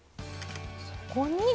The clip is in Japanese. そこに。